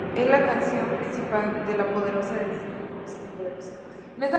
Es la canción principal de la película de Disney "Oz: el Poderoso".